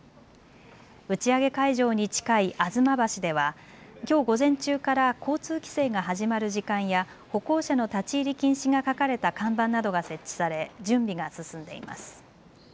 打ち上げ会場に近い吾妻橋ではきょう午前中から交通規制が始まる時間や歩行者の立ち入り禁止が書かれた看板などが設置され準備が進んでいます。